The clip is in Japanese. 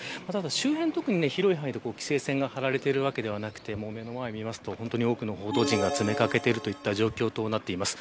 周辺、広い範囲で規制線が張られているわけではなく目の前を見ると、報道陣が詰めかけている状況です。